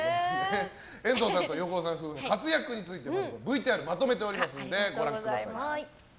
遠藤さんと横尾さん夫婦の活躍についてＶＴＲをまとめてありますのでご覧ください。